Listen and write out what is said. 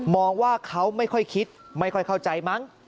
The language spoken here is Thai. ว่าเขาไม่ค่อยคิดไม่ค่อยเข้าใจมั้ง